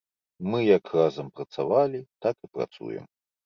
Мы як разам працавалі, так і працуем.